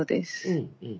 うんうん。